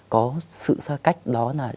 có sự xa cách đó là